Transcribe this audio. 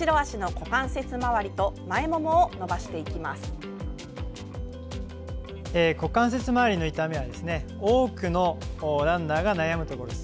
股関節周りの痛みは多くのランナーが悩むところです。